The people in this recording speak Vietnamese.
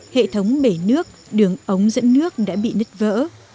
hệ thống bể nước đường ống dẫn nước đã bị nứt vỡ